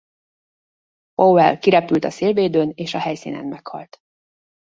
Powell kirepült a szélvédőn és a helyszínen meghalt.